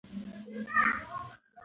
دا زده کړه سالم ژوند اسانه کوي.